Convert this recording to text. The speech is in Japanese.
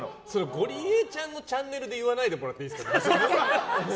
ゴリエちゃんのチャンネルで言わないでもらっていいですか。